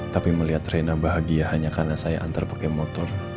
tapi melihat reina bahagia hanya karena saya antar pakai motor